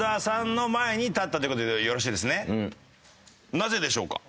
なぜでしょうか？